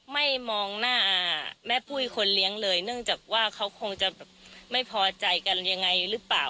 มองหน้าแม่ปุ้ยคนเลี้ยงเลยเนื่องจากว่าเขาคงจะแบบไม่พอใจกันยังไงหรือเปล่า